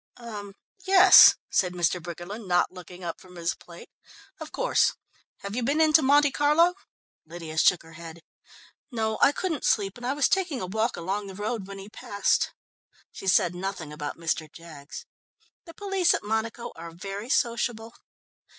"Er yes," said Mr. Briggerland, not looking up from his plate, "of course. Have you been into Monte Carlo?" Lydia shook her head. "No, I couldn't sleep, and I was taking a walk along the road when he passed." She said nothing about Mr. Jaggs. "The police at Monaco are very sociable."